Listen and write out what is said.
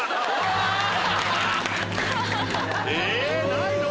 ないの？